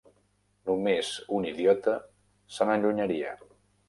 Només un idiota se n'allunyaria.